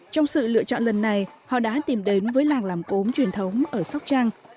trong sự lựa chọn lần này họ đã tìm đến với làng làm cốm truyền thống ở sóc trăng